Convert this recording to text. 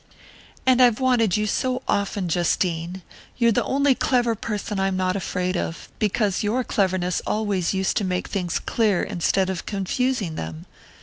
"And I've wanted you so often, Justine: you're the only clever person I'm not afraid of, because your cleverness always used to make things clear instead of confusing them.